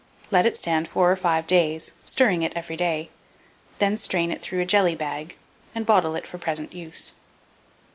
Let it stand 4 or 5 days, stirring it every day; then strain it through a jelly bag, and bottle it for present use.